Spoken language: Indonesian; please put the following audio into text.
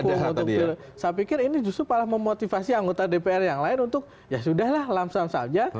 saya pikir ini justru malah memotivasi anggota dpr yang lain untuk ya sudah lah lamsam saja